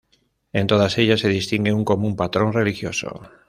En todas ellas se distingue un común patrón religioso.